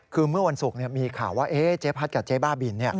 คือเมื่อวันศุกร์มีข่าวว่าเจ๊พัดกับเจ๊บ้าบิน